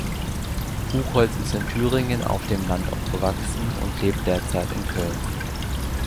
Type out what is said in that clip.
Buchholz ist in Thüringen auf dem Land aufgewachsen und lebt derzeit in Köln.